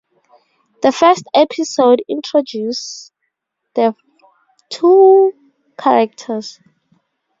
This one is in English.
The first episode introduces the two characters.